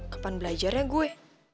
kapan belajarnya gue